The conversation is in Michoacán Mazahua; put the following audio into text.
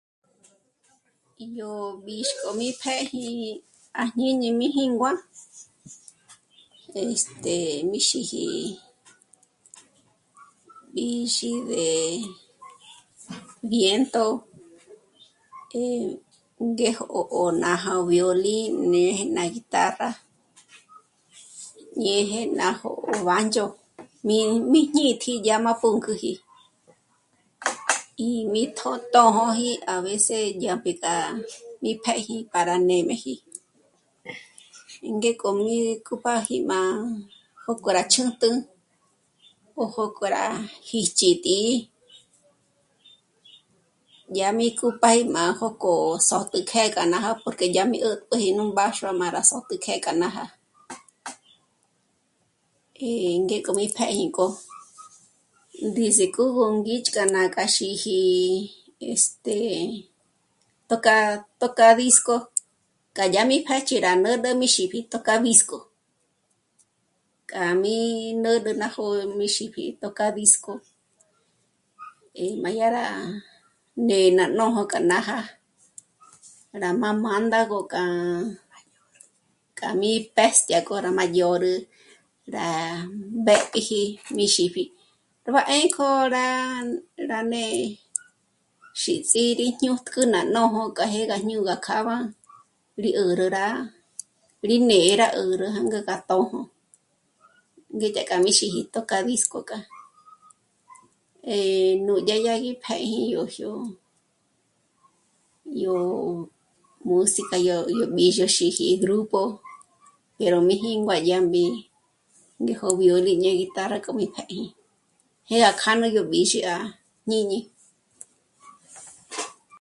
Yó b'íxk'o mí pědyi à jñíni mí jíngua, este... xîji, xîji de... viento ngé 'ó nú náha violín néje ná guitarra néje ná jó'o bándyo, mí... mí jñîtji yá má pǔnk'üji y jmí tjo tjō̌'ō̌ji a veces dyámp'e kja mí pë̀ji para nê'meji. Ngéko mí kupáji má jókò rá chǚnt'ü ó jókò rá 'íjchji tí'i dyá mi kupáge májo k'o sò'pji que kja já'a porque dyá mí 'ä̀t'äji nú mbáxua m'â rá só't'ü kje kja náha, eh... ngéko mi pjèji nkó yó ndés'ekö gú ndíxk'a ná k'a sîji este..., este... toca..., toca... tocadisco k'a yá mi pêch'i dyá rá n'ä̂rä mí xî'i tocadisco k'a mí n'ä̂rä ná jó'o mí jîpji tocadisco eh... m'a dyá rá né'e ná nójo k'a nája rá jmá'a m'ânda gó k'á'a... k'á'a mí pë́stya k'o rá madyòrü rá mbèpjiji mí xípji. Ró 'à 'ë̌nkjo rá... rá né'e xîts'i rí jñókü ná nójo nkáj´ë rá ñôna kjába rí 'ä̀rä rá... rí né'e rá 'ä́rä jângé ná tjó'o, ngéka k'a mi xîji tocadisco k'a, eh... nú yá gí pjë̌ñi yó jyò'o yó música yó mbîzhoxiji grupo dyáró mí jíngua dyá mbí'i ngéjo violín ñéje guitarra k'o mí pjë̌gi, jé'e gá kja nú bízhi à jñíni